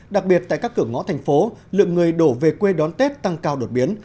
đặc biệt tại các cửa ngõ thành phố lượng người đổ về quê đón tết tăng cao đột biến